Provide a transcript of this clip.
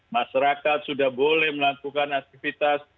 masyarakat sudah boleh melakukan aktivitas